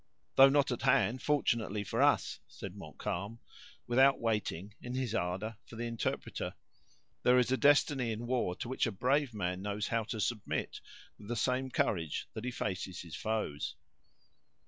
"Though not at hand, fortunately for us," said Montcalm, without waiting, in his ardor, for the interpreter. "There is a destiny in war, to which a brave man knows how to submit with the same courage that he faces his foes."